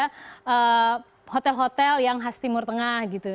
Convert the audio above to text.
ada hotel hotel yang khas timur tengah gitu